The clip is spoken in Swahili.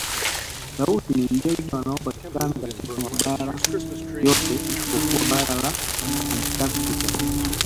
Tausi ni ndege wanaopatikana katika mabara yote isipokuwa bara la Antaktika